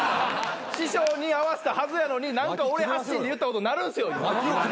師匠に合わせたはずやのに何か俺発信で言ったことになるんすよ。